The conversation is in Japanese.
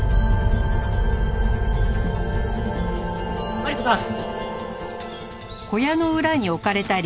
マリコさん！